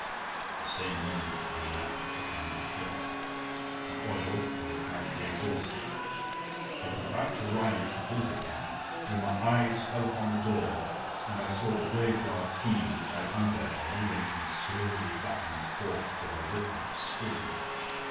At the same moment my lamp began to flicker. The oil was apparently exhausted. I was about to rise to fill it again, when my eyes fell upon the door, and I saw the graveyard key, which I had hung there, moving slowly back and forth with a rhythmic swing.